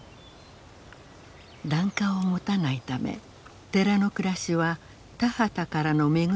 檀家を持たないため寺の暮らしは田畑からの恵みに頼る自給自足。